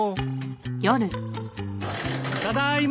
ただいま！